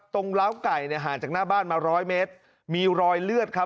กล้าวไก่เนี่ยห่างจากหน้าบ้านมาร้อยเมตรมีรอยเลือดครับ